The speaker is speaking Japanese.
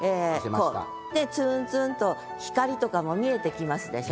こうでツンツンと光とかも見えてきますでしょ。